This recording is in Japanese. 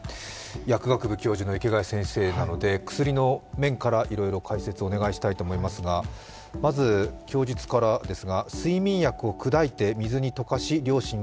薬学部教授の池谷先生なので薬の面からいろいろ解説をお願いしたいと思いますが、まず供述からです。